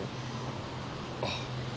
あっ。